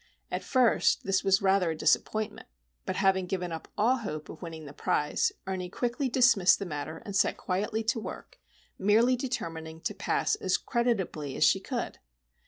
At first this was rather a disappointment; but, having given up all hope of winning the prize, Ernie quickly dismissed the matter and set quietly to work, merely determining to pass as creditably as she could.